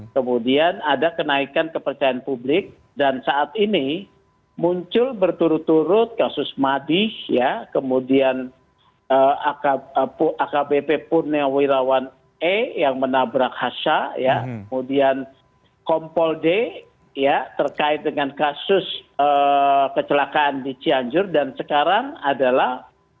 kemudian ada kenaikan kepercayaan publik dan saat ini muncul berturut turut kasus madi kemudian akbp punewirawan e yang menabrak hasya kemudian kompol d terkait dengan kasus kecelakaan di cianjur dan sekarang adalah